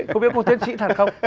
có biết có tiến sĩ thật không